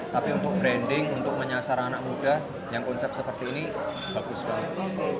tapi untuk branding untuk menyasar anak muda yang konsep seperti ini bagus banget